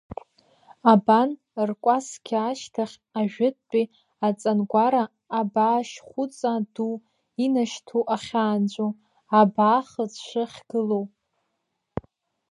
Абан ркәасқьа ашьҭахь ажәытәтәи аҵангәара абаашьхәыҵа ду инашьҭу ахьаанҵәо, абаа хыҽҽы ахьгылоу.